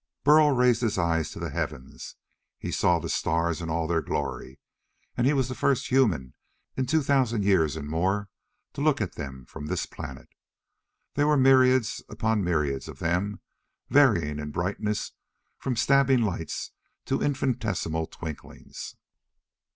But Burl raised his eyes to the heavens. He saw the stars in all their glory, and he was the first human in two thousand years and more to look at them from this planet. There were myriads upon myriads of them, varying in brightness from stabbing lights to infinitesimal twinklings.